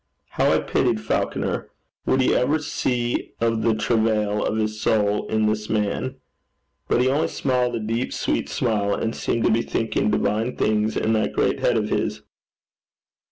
How I pitied Falconer! Would he ever see of the travail of his soul in this man? But he only smiled a deep sweet smile, and seemed to be thinking divine things in that great head of his.